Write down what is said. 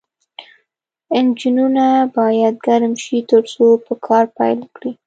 انجنونه باید ګرم شي ترڅو په کار پیل وکړي